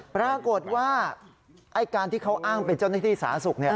ปรากฏว่าไอ้การที่เขาอ้างเป็นเจ้าหน้าที่สาธารณสุข